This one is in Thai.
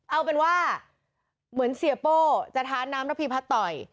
เอาเป็นว่าเหมือนเสียโป้จะท้าน้ำระพีพัดต่อย